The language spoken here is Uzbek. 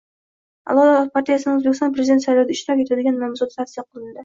“Adolat” partiyasining O‘zbekiston Prezidenti saylovida ishtirok etadigan nomzodi tavsiya qilindi